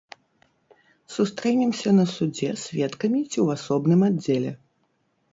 Сустрэнемся на судзе сведкамі ці ў асобным аддзеле.